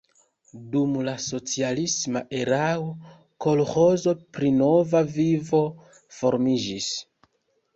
Dum la socialisma erao kolĥozo pri Nova Vivo formiĝis.